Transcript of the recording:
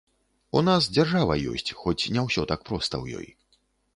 У нас дзяржава ёсць, хоць не ўсё так проста ў ёй.